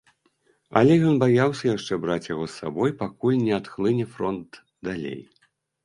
Але ён баяўся яшчэ браць яго з сабой, пакуль не адхлыне фронт далей.